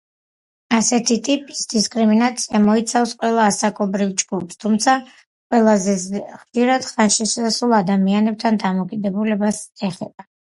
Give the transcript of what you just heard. ასეთი ტიპის დისკრიმინაცია მოიცავს ყველა ასაკობრივ ჯგუფს, თუმცა ყველაზე ხშირად ხანშიშესულ ადამიანებთან დამოკიდებულებას ეხება.